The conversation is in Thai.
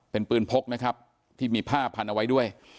เป็นปืนพกนะครับที่มีผ้าพันเอาไว้ด้วย